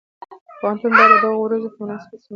پوهنتونونه باید د دغو ورځو په مناسبت سیمینارونه جوړ کړي.